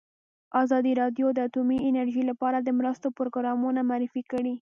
ازادي راډیو د اټومي انرژي لپاره د مرستو پروګرامونه معرفي کړي.